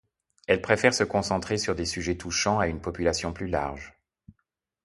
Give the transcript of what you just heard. Elle préfère se concentrer sur des sujets touchants à une population plus large.